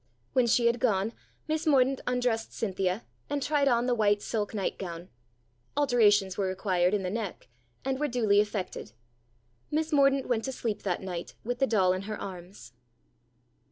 When she had gone, Miss Mordaunt undressed Cynthia and tried on the white silk nightgown. THE DOLL 169 Alterations were required in the neck, and were duly effected. Miss Mordaunt went to sleep that night with the doll in her arms.